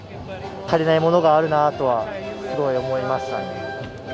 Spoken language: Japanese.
足りないものがあるなとはすごい思いましたね。